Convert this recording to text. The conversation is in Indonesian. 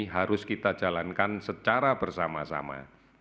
harus kita jalankan secara bersama sama